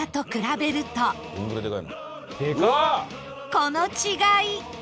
この違い